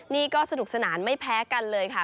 นี่ก็สนุกสนานไม่แพ้กันเลยค่ะ